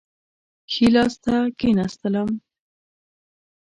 ښي لاس ته کښېنستلم.